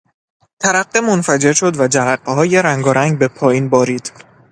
ترقه منفجر شد و جرقههای رنگارنگ به پایین بارید.